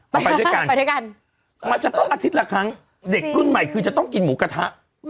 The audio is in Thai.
ไปด้วยกันไปด้วยกันมันจะต้องอาทิตย์ละครั้งเด็กรุ่นใหม่คือจะต้องกินหมูกระทะ